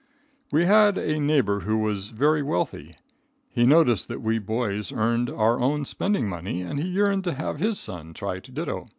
We had a neighbor who was very wealthy. He noticed that we boys earned our own spending money, and he yearned to have his son try to ditto.